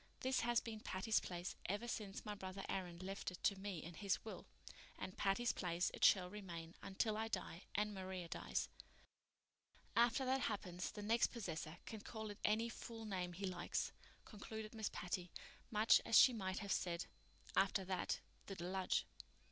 This has been Patty's Place ever since my brother Aaron left it to me in his will, and Patty's Place it shall remain until I die and Maria dies. After that happens the next possessor can call it any fool name he likes," concluded Miss Patty, much as she might have said, "After that—the deluge."